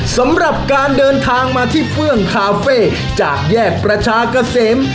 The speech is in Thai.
สำหรับการเดินทางมาที่เฟื่องคาเฟ่จากแยกประชาเกษม